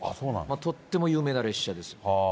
とっても有名な列車です。